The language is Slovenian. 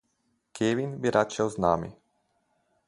Kevin bi rad šel z nami.